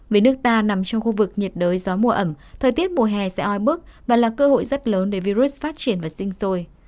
vì nước ta nằm trong khu vực nhiệt đới gió mùa ẩm thời tiết mùa hè sẽ oi bức và là cơ hội rất lớn để virus phát triển và sinh sôi